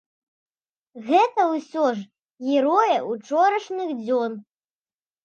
Гэта ўсё ж героі ўчорашніх дзён.